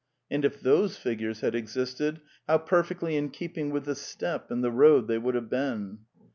And if those figures had existed, how per fectly in keeping with the steppe and the road they would have been!